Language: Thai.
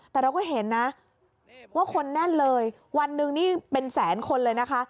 แต่เราก็เห็นนะว่าคนแน่นเลยวันหนึ่งนี่เป็นแสนคนเลยนะคะ